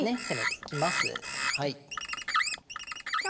攻めていきます。